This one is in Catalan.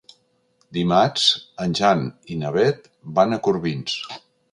Dimarts en Jan i na Beth van a Corbins.